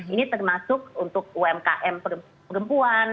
ini termasuk untuk umkm perempuan